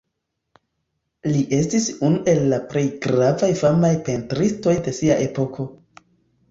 Li estis unu el la plej gravaj famaj pentristoj de sia epoko.